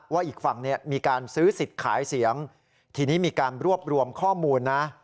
อีกฝั่งเนี่ยมีการซื้อสิทธิ์ขายเสียงทีนี้มีการรวบรวมข้อมูลนะ